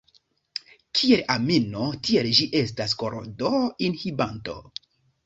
Kiel amino, tiel ĝi estas korodo-inhibanto.